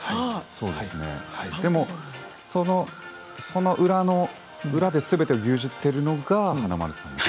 その裏で、すべて牛耳っているのが華丸さん。